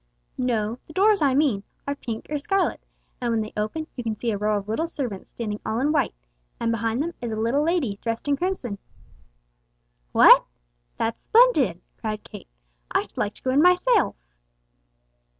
"No; the doors I mean are pink or scarlet, and when they open you can see a row of little servants standing all in white, and behind them is a little lady dressed in crimson." "What? That's splendid!" cried Kate. "I should like to go in myself."